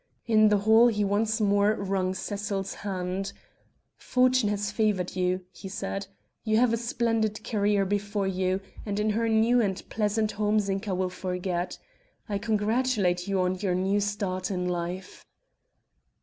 In the hall he once more wrung Cecil's hand: "Fortune has favored you," he said; "you have a splendid career before you, and in her new and pleasant home Zinka will forget. I congratulate you on your new start in life."